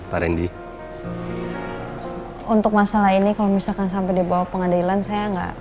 parendi untuk masalah ini kalau misalkan sampai dibawa pengadilan saya enggak enggak takut ya